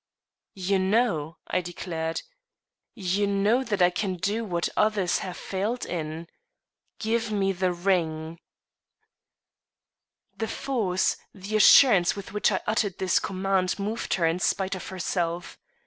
"You know," I declared "you know that I can do what others have failed in. Give me the ring." The force, the assurance with which I uttered this command moved her in spite of herself.